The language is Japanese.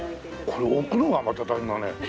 これ置くのがまた大変だね。